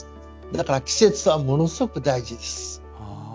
だから季節はものすごく大事です。